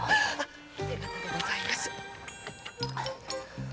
手形でございます。